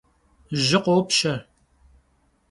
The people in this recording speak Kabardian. Jı khopşe.